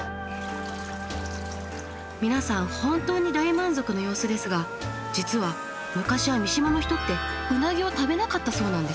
皆さん本当に大満足の様子ですが実は昔は三島の人ってウナギを食べなかったそうなんです。